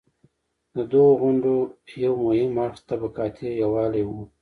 د دغو غونډو یو مهم اړخ طبقاتي یووالی و.